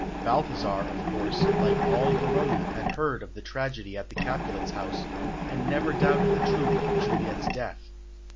Balthasar, of course, like all Verona, had heard of the tragedy at the Capulets' house, and never doubted of the truth of Juliet's death.